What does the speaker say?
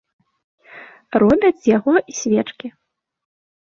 Робяць з яго і свечкі.